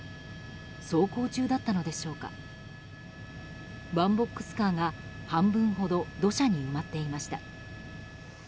走行中だったのでしょうかワンボックスカーが半分ほど土砂に埋まっていました。